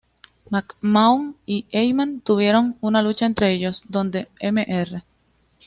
McMahon y Heyman tuvieron una lucha entre ellos, donde Mr.